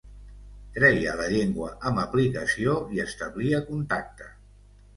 Treia la llengua amb aplicació i establia contacte.